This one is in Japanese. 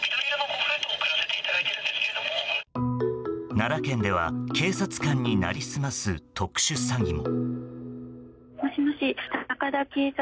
奈良県では警察官に成りすます特殊詐欺も。